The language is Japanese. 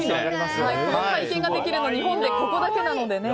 この体験ができるのは日本でここだけなのでね